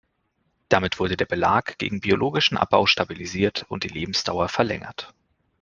Damit wurde der Belag gegen biologischen Abbau stabilisiert und die Lebensdauer verlängert.